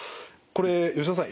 これ吉田さん